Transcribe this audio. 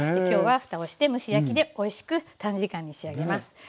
今日はふたをして蒸し焼きでおいしく短時間に仕上げます。